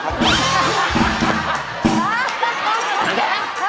อันแหละ